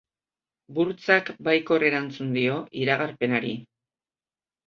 Burtsak baikor erantzun dio iragarpenari.